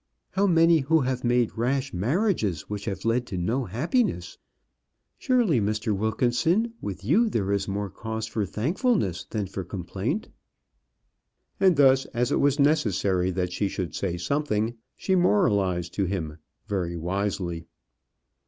How many who have made rash marriages which have led to no happiness! Surely, Mr. Wilkinson, with you there is more cause for thankfulness than for complaint!" And thus, as it was necessary that she should say something, she moralized to him very wisely.